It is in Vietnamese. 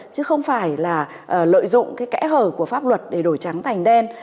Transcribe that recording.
chứ không phải là lợi dụng cái kẽ hở của pháp luật để đổi trắng thành đen